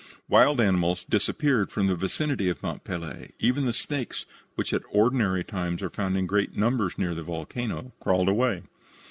Wild animals disappeared from the vicinity of Mont Pelee. Even the snakes, which at ordinary times are found in great numbers near the volcano, crawled away.